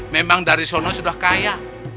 memang dari sana sudah kaya